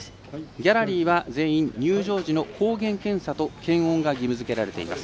ギャラリーは全員入場時の抗原検査と検温が義務づけられています。